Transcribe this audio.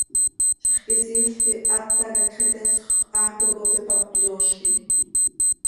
Zixquisiil quih ata quih hacx iteesxö, haaco cop ipac cöyoozquim.